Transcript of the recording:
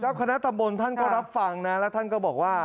คณะตำบลท่านก็รับฟังนะแล้วท่านก็บอกว่า